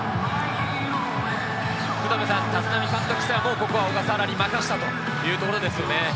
立浪監督としては、もうここは小笠原に任せたというところですね。